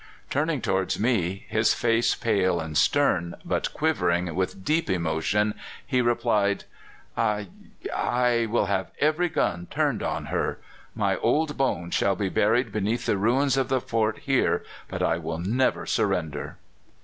"Turning towards me, his face pale and stern, but quivering with deep emotion, he replied: "'I I will have every gun turned on her. My old bones shall be buried beneath the ruins of the fort here, but I will never surrender!